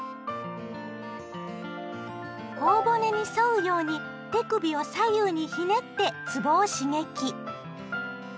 ほお骨に沿うように手首を左右にひねってつぼを刺激！